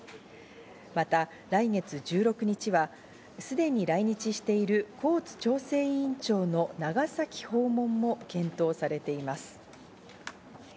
また来月１６日は、すでに来日しているコーツ調整委員長の長崎訪問も検討されています。